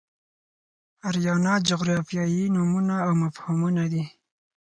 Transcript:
آریانا جغرافیایي نومونه او مفهومونه دي.